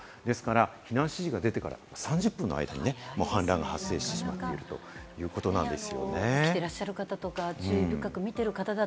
避難指示が出てから３０分の間に氾濫が発生してしまったということです。